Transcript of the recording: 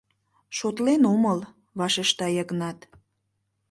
— Шотлен омыл, — вашешта Йыгнат.